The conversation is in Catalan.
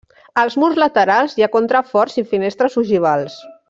Als murs laterals hi ha contraforts i finestres ogivals.